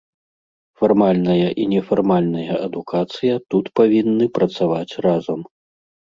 Фармальная і нефармальная адукацыя тут павінны працаваць разам.